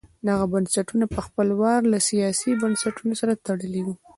دغه بنسټونه په خپل وار له سیاسي بنسټونو سره تړلي وو.